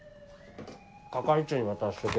係長に渡しとく。